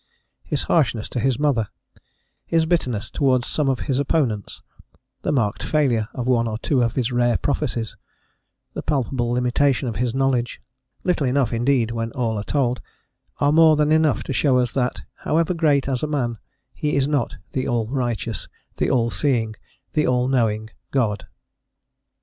His harshness to his mother, his bitterness towards some of his opponents, the marked failure of one or two of his rare prophecies, the palpable limitation of his knowledge little enough, indeed, when all are told, are more than enough to show us that, however great as man, he is not the All righteous, the All seeing, the All knowing, God.